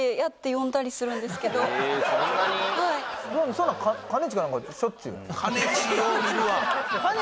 そんなん兼近なんかしょっちゅうやんかね